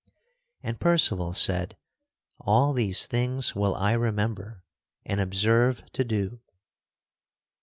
And Percival said, "All these things will I remember and observe to do."